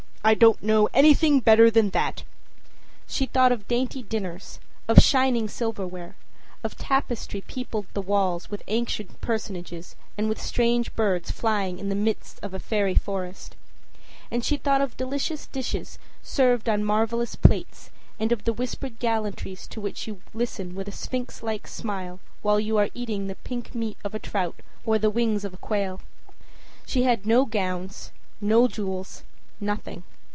I don't know anything better than that,â she thought of dainty dinners, of shining silverware, of tapestry that peopled the walls with ancient personages and with strange birds flying in the midst of a fairy forest; and she thought of delicious dishes served on marvellous plates and of the whispered gallantries to which you listen with a sphinxlike smile while you are eating the pink meat of a trout or the wings of a quail. She had no gowns, no jewels, nothing.